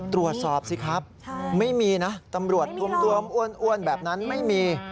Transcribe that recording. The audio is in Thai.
ตรวจสอบสิครับไม่มีนะตำรวจทวมอ้วนแบบนั้นไม่มี